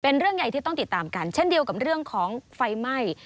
เรื่องใหญ่ที่ต้องติดตามกันเช่นเดียวกับเรื่องของไฟไหม้